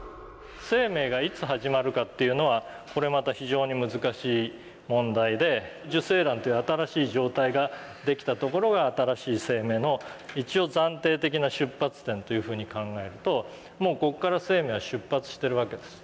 生命がいつ始まるかっていうのはこれまた非常に難しい問題で受精卵という新しい状態ができたところが新しい生命の一応暫定的な出発点というふうに考えるともうここから生命は出発してるわけです。